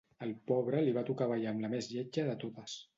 Al pobre li va tocar ballar amb la més lletja de totes